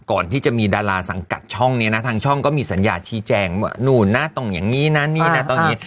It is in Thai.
ก่อนที่จะมีดาราสังกัดช่องนี้นะทางช่องก็มีสัญญาชี้แจงว่านู่นนะต้องอย่างนี้นะนี่นะตรงนี้